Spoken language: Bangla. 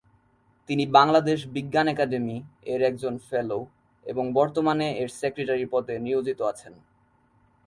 তিনি বাংলাদেশ বিজ্ঞান একাডেমি এর একজন ফেলো, এবং বর্তমানে এর সেক্রেটারী পদে নিয়োজিত আছেন।